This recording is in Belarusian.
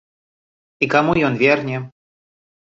І каму ён верне?